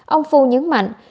ông phu nhấn mạnh